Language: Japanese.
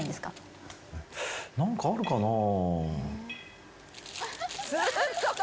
何かあるかなぁ。